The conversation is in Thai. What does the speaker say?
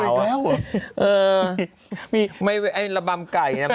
เออไม่เป็นระบำไก่นะ